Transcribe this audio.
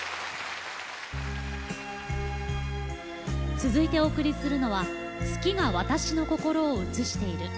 続いて、お送りするのは「月が私の心を映している」